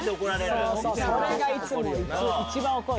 それがいつも一番怒る。